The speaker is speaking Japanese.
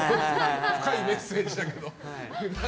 深いメッセージだけど。